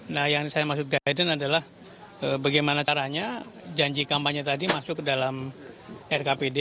nah yang saya maksud guidance adalah bagaimana caranya janji kampanye tadi masuk ke dalam rkpd